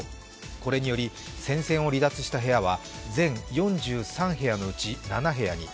これにより戦線を離脱した部屋は前４３部屋のうち７部屋に。